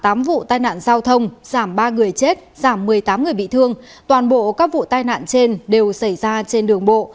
các vụ tai nạn giao thông giảm ba người chết giảm một mươi tám người bị thương toàn bộ các vụ tai nạn trên đều xảy ra trên đường bộ